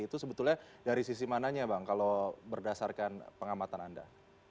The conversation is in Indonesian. itu sebetulnya dari sisi mananya bang kalau berdasarkan pengamatan anda